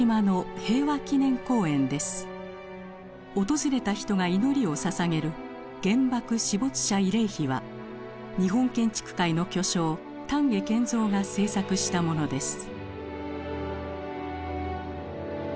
訪れた人が祈りをささげる原爆死没者慰霊碑は日本建築界の巨匠丹下健三が制作したものです。